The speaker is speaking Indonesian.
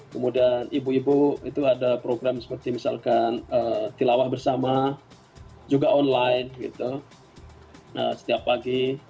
kemudian ibu ibu itu ada program seperti misalkan tilawah bersama juga online setiap pagi